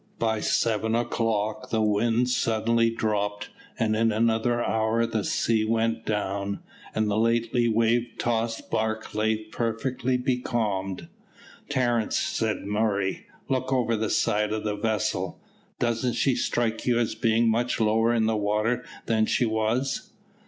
By seven o'clock the wind suddenly dropped, and in another hour the sea went down, and the lately wave tossed bark lay perfectly becalmed. "Terence," said Murray, "look over the side of the vessel; doesn't she strike you as being much lower in the water than she was?"